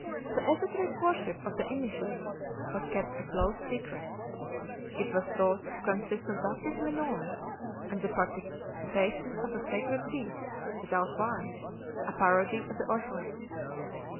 The esoteric worship of the initiated was kept a close secret. It was thought to con sist of baptism in oil, and the ; participation of a sacred feast without wine, a parody of the Eucharist.